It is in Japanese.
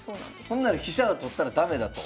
ほんなら飛車は取ったら駄目だと。